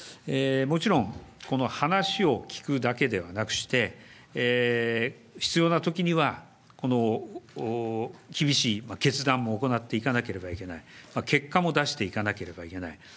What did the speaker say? もちろん、この話を聞くだけではなくして、必要なときにはこの厳しい決断も行っていかなければいけない、結果も出していかなければいけない。